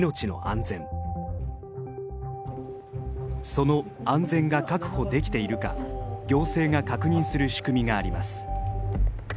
その安全が確保できているか行政が確認する仕組みがあります。